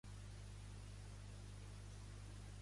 Més tard se'l va conèixer com a Thomas Thoroton Hildyard.